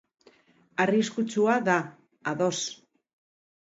Arriskutsua da, ados.